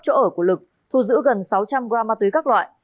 chỗ ở của lực thu giữ gần sáu trăm linh g ma túy các loại